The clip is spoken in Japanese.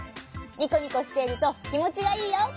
にこにこしているときもちがいいよ。